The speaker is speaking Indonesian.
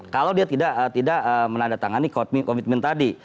kalau dia tidak menandatangani komitmen tadi